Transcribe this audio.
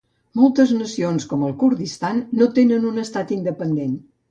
Moltes nacions, com el Kurdistan, no tenen un estat independent.